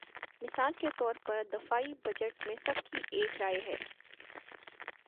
مثال کے طور پر دفاعی بجٹ میں سب کی ایک رائے ہے۔